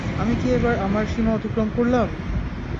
আমি কি এবার আমার, সীমা অতিক্রম করলাম?